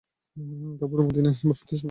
তারপর মদীনায় বসতি স্থাপন করেন।